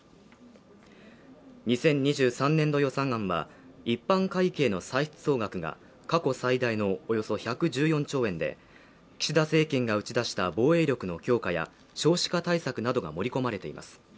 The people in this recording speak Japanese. ２０２３年度予算案は一般会計の歳出総額が過去最大のおよそ１１４兆円で岸田政権が打ち出した防衛力の強化や少子化対策などが盛り込まれています